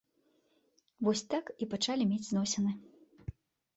Вось так і пачалі мець зносіны.